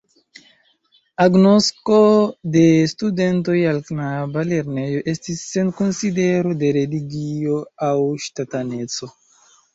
Agnosko de studentoj al knaba lernejo estis sen konsidero de religio aŭ ŝtataneco.